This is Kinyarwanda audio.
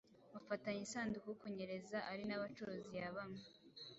bafatanya isanduku kunyereza ari n’abacuruzi ya bamwe